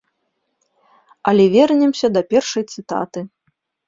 Але вернемся да першай цытаты.